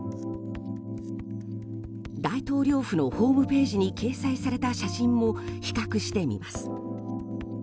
大統領府のホームページに掲載された写真も比較してみます。